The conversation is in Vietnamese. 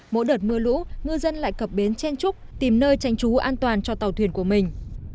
mỗi đợt mưa lũ ngư dân lại cập bến chen trúc tìm nơi tránh chú an toàn cho tàu thuyền của mình